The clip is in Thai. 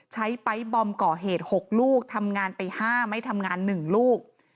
ไป๊บอมก่อเหตุ๖ลูกทำงานไป๕ไม่ทำงาน๑ลูก